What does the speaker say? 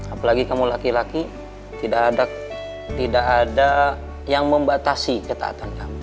apalagi kamu laki laki tidak ada yang membatasi ketaatan kamu